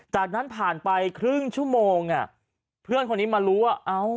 จากนั้นผ่านไปครึ่งชั่วโมงอ่ะเพื่อนคนนี้มารู้ว่าเอ้า